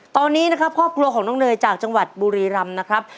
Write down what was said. ตอนนี้นะครับครอบครัวของน้องเนยจากจังหวัดบุรีรำนะครับ